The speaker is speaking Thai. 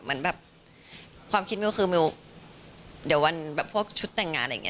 เหมือนแบบความคิดมิวคือมิวเดี๋ยววันแบบพวกชุดแต่งงานอะไรอย่างนี้